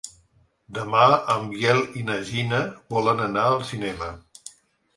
Demà en Biel i na Gina volen anar al cinema.